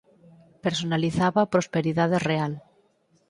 Personalizaba a prosperidade real.